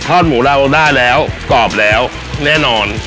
หมูเราได้แล้วกรอบแล้วแน่นอน